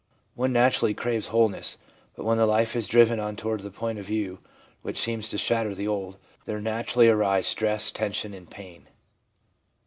One naturally craves wholeness, but when the life is driven on toward the point of view which seems to shatter the old, there naturally arise stress, tension and pain.